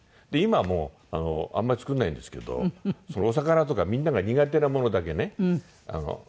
で今もあんまり作らないんですけどお魚とかみんなが苦手なものだけね。